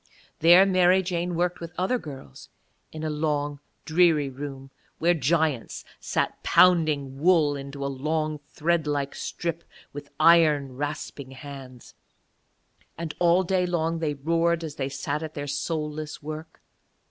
There Mary Jane worked with other girls in a long dreary room, where giants sat pounding wool into a long thread like strip with iron, rasping hands. And all day long they roared as they sat at their soulless work.